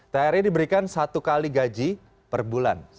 thr ini diberikan satu kali gaji per bulan